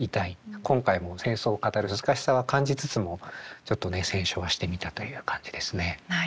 今回も戦争を語る難しさは感じつつもちょっとね選書はしてみたという感じですね。